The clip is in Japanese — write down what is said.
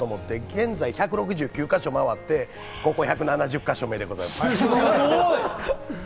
現在１６９か所回って、ここ１７０か所目でございます。